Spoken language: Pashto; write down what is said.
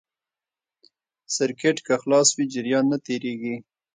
سرکټ که خلاص وي جریان نه تېرېږي.